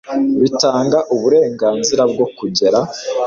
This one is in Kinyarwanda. bitanga uburenganzira bwo kugera